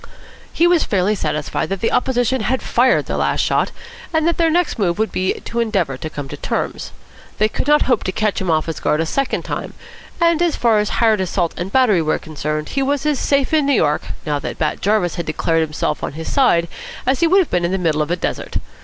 He was fairly satisfied that the opposition had fired their last shot, and that their next move would be to endeavour to come to terms. They could not hope to catch him off his guard a second time, and, as far as hired assault and battery were concerned, he was as safe in New York, now that Bat Jarvis had declared himself on his side, as he would have been in the middle of a desert.